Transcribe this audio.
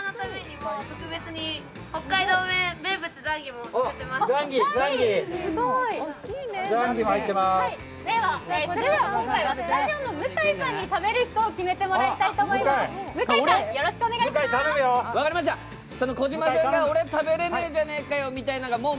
それでは今回はスタジオの向井さんに食べる人を決めてもらいましょう。